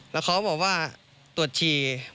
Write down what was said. แล้วเขาบอกว่าตรวจฉี่